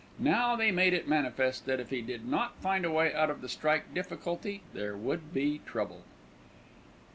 Now they made it manifest that if he did not find a way out of the strike difficulty, there would be trouble.